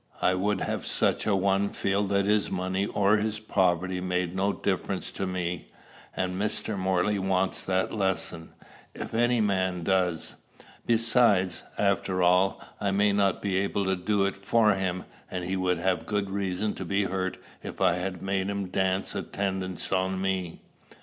I would have such a one feel that his money or his poverty made no difference to me; and Mr. Morley wants that lesson, if any man does. Besides, after all, I may not be able to do it for him, and he would have good reason to be hurt if I had made him dance attendance on me."